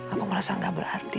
aku merasa gak berarti